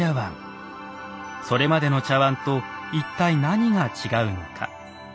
それまでの茶碗と一体何が違うのか。